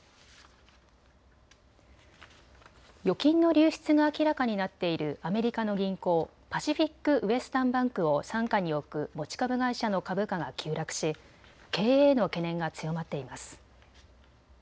預金の流出が明らかになっているアメリカの銀行、パシフィック・ウエスタン・バンクを傘下に置く持ち株会社の株価が急落し経営への懸念が強まっています。